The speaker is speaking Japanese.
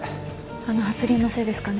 あの発言のせいですかね？